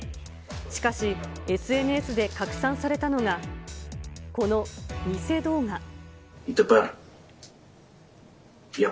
しかし、ＳＮＳで拡散されたのが、この偽動画。